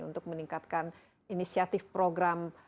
untuk meningkatkan inisiatif program